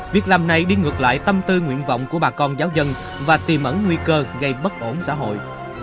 việc làm này đi ngược lại tâm tư nguyện vọng của bà con giáo dân và tìm ẩn nguy cơ gây bất ổn xã hội